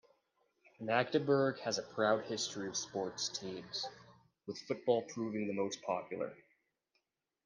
Magdeburg has a proud history of sports teams, with football proving the most popular.